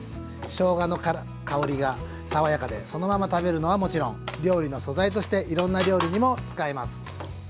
しょうがの香りが爽やかでそのまま食べるのはもちろん料理の素材としていろんな料理にも使えます。